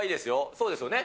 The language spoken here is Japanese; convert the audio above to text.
そうですよね。